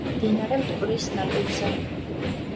მდინარე მტკვრის ნაპირზე.